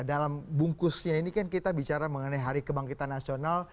dalam bungkusnya ini kan kita bicara mengenai hari kebangkitan nasional